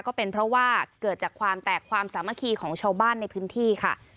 ก็เป็นเพราะว่าเกิดจากความแตกความสามัคคีของชาวบ้านในพื้นที่ค่ะ